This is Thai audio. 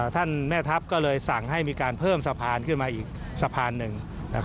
ท่านแม่ทัพก็เลยสั่งให้มีการเพิ่มสะพานขึ้นมาอีกสะพานหนึ่ง